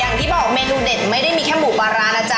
อย่างที่บอกเมนูเด็ดไม่ได้มีแค่หมูปลาร้านะ